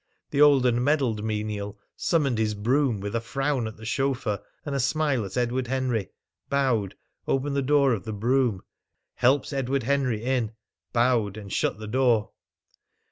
The old and medalled menial summoned his brougham with a frown at the chauffeur and a smile at Edward Henry, bowed, opened the door of the brougham, helped Edward Henry in, bowed, and shut the door.